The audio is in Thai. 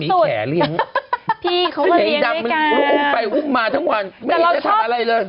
พี่ดำมันโรงไปโรงมาทั้งวันไม่ได้จะทำอะไรเลย